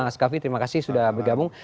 mas kavi terima kasih sudah bergabung